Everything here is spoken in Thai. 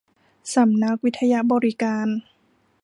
สำนักวิทยบริการ